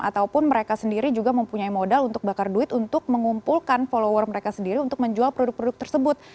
ataupun mereka sendiri juga mempunyai modal untuk bakar duit untuk mengumpulkan follower mereka sendiri untuk menjual produk produk tersebut